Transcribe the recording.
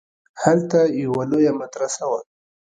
هلته يوه لويه مدرسه وه.